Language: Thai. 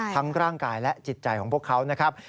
ทั้งร่างกายและจิตใจของพวกเขานะครับ